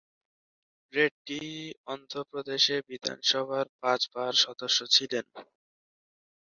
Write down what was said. রেড্ডি অন্ধ্রপ্রদেশ বিধানসভার পাঁচ বার সদস্য ছিলেন।